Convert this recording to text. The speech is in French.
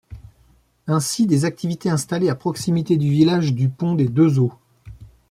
Ainsi, des activités installées à proximité du village du pont des Deux Eaux.